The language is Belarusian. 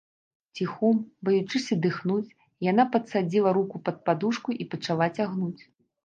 Ціхом, баючыся дыхнуць, яна падсадзіла руку пад падушку і пачала цягнуць.